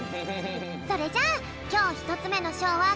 それじゃあきょうひとつめのしょうはこれ！